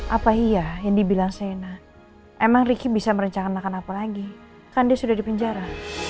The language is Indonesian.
apa iya yang dibilang sena emang ricky bisa merencanakan apa lagi kan dia sudah dipenjara